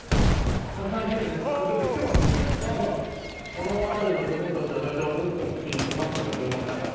この辺りの子供たちは大体お小遣い月に５万とか１０万かな。